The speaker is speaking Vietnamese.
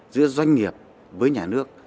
giữa doanh nghiệp với nhà nước